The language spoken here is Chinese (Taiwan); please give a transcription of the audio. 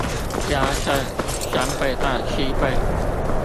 壓測三倍到七倍